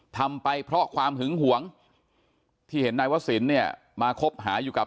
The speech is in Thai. ทำไปเพราะความหึงหวงที่เห็นนายวศิลป์เนี่ยมาคบหาอยู่กับ